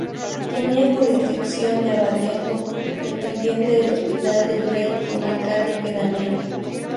Tenía jurisdicción de abadengo, dependiente del Hospital del Rey, con alcalde pedáneo.